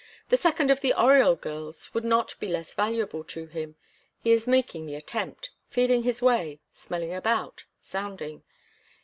The second of the Oriol girls would not be less valuable to him. He is making the attempt, feeling his way, smelling about, sounding.